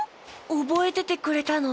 おぼえててくれたの？